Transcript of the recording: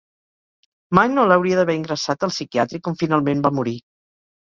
Mai no l'hauria d'haver ingressat al psiquiàtric on finalment va morir.